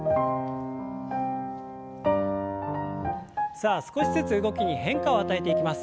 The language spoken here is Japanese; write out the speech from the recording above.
さあ少しずつ動きに変化を与えていきます。